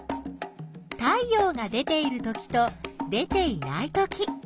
太陽が出ているときと出ていないとき。